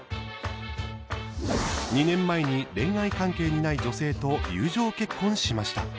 ２年前に恋愛関係にない女性と友情結婚しました。